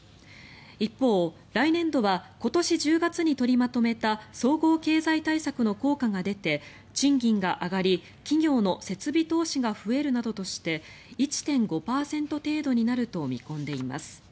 一方、来年度は今年１０月に取りまとめた総合経済対策の効果が出て賃金が上がり企業の設備投資が増えるなどとして１．５％程度になると見込んでいます。